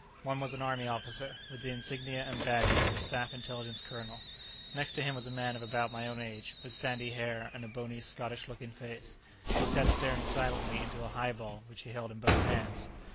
One was an Army officer, with the insignia and badges of a Staff Intelligence colonel. Next to him was a man of about my own age, with sandy hair and a bony, Scottish looking face, who sat staring silently into a highball which he held in both hands.